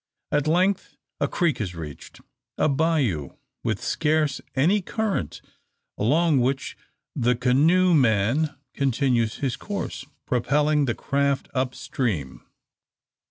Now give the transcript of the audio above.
At length a creek is reached, a bayou with scarce any current; along which the canoe man continues his course, propelling the craft up stream.